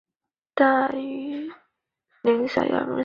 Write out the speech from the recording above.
吕克昂迪瓦。